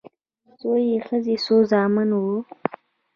څو يې ښځې څو زامن وه